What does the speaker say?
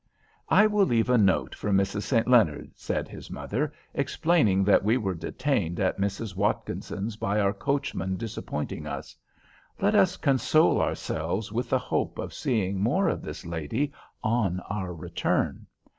"I will leave a note for Mrs. St. Leonard," said his mother, "explaining that we were detained at Mrs. Watkinson's by our coachman disappointing us. Let us console ourselves with the hope of seeing more of this lady on our return.